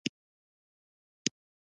ځه ولاړ شه له دې ځايه!